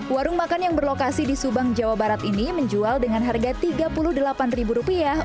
warung makan yang berlokasi di subang jawa barat ini menjual dengan harga tiga puluh delapan rupiah